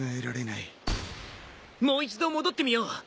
もう一度戻ってみよう。